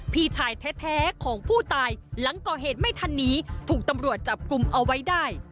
พี่ชายแท้ของผู้ตายหลังก่อเหตุไม่ทันนี้ถูกตำรวจจับกลุ่มเอาไว้ได้